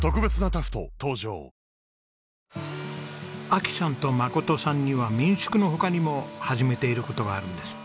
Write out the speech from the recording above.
亜紀さんと真さんには民宿の他にも始めている事があるんです。